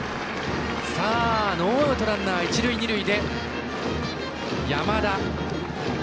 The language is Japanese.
ノーアウトランナー、一塁二塁山田隼。